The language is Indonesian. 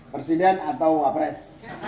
presiden atau wapres